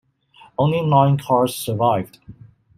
Only nine cars survived.